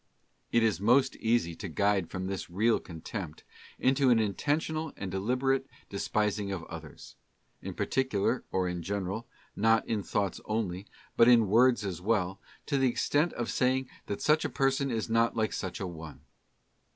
It is most easy to glide from this real contempt into an intentional and deliberate despising of others; in particular or in general, not in thoughts only, but in words as well, to the extent of saying that such a person is not like such an one.